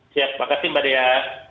sehat terima kasih mbak dea